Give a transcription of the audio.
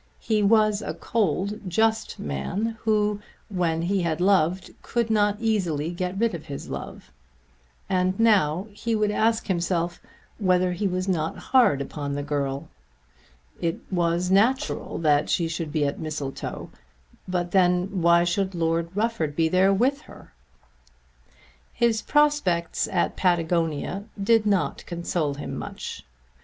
He was a cold, just man who, when he had loved, could not easily get rid of his love, and now he would ask himself whether he was not hard upon the girl. It was natural that she should be at Mistletoe; but then why should Lord Rufford be there with her? His prospects at Patagonia did not console him much.